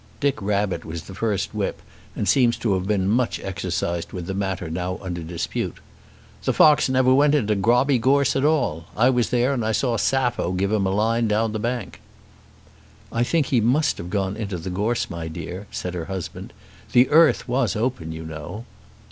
Dick Rabbit was the first whip, and seemed to have been much exercised with the matter now under dispute. "The fox never went into Grobby Gorse at all. I was there and saw Sappho give him a line down the bank." "I think he must have gone into the gorse, my dear," said her husband. "The earth was open, you know."